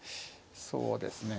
そうですね。